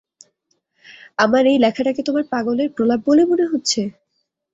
আমার এই লেখাটাকে তোমার পাগলের প্রলাপ বলে মনে হচ্ছে?